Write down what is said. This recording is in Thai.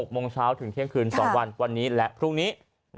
โมงเช้าถึงเที่ยงคืน๒วันวันนี้และพรุ่งนี้